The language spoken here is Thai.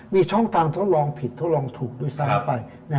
มีช่องทางทดลองผิดทดลองถูกด้วยซ้ำไป